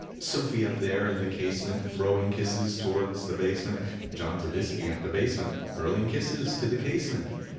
Sofie, up there in the casement Throwing kisses towards the basement John Zobiesky at the basement Hurling kisses to the casement.